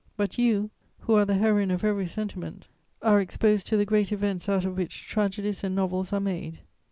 But you, who are the heroine of every sentiment, are exposed to the great events out of which tragedies and novels are made.